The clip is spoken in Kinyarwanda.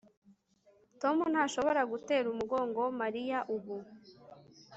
Tom ntashobora gutera umugongo Mariya ubu